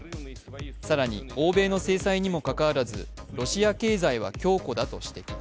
更に、欧米の制裁にも関わらず、ロシア経済は強固だと指摘。